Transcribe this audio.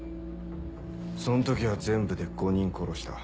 そん時は全部で５人殺した。